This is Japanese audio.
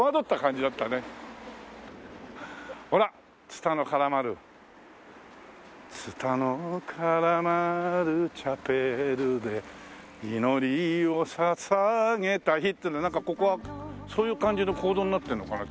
「つたの絡まるチャペルで祈りを捧げた日」っていうのでなんかここはそういう感じの講堂になってるのかな？